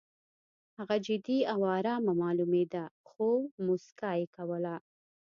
هغه جدي او ارامه معلومېده خو موسکا یې کوله